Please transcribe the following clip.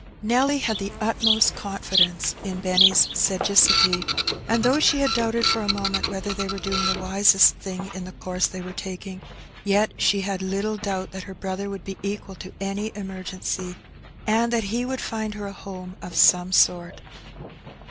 Nelly had the utmost confidence in Benny's sagacity, and though she had doubted for a moment whether they were doing the wisest thing in the course they were taking, yet she had little doubt that her brother would be equal to any emergency, and that he would find her a home of some sort.